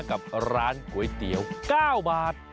กับร้านก๋วยเตี๋ยว๙บาท